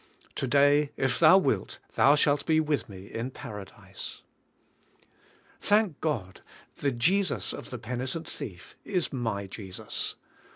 To day, if thou wilt, thou shalt be with me in Paradise." Thank God, the Jesus of the penitent thief is my Jesus.